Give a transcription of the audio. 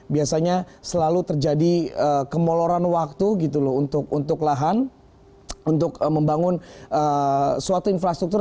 biasanya selalu terjadi kemoloran waktu gitu loh untuk lahan untuk membangun suatu infrastruktur